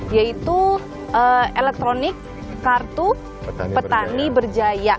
yaitu elektronik kartu petani berjaya